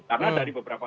karena dari beberapa